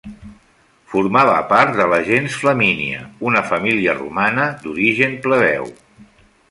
Formava part de la gens Flamínia, una família romana d'origen plebeu.